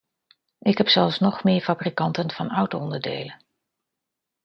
Ik heb zelfs nog meer fabrikanten van auto-onderdelen.